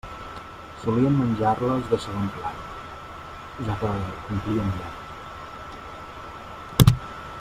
Solíem menjar-les de segon plat, ja que complien molt.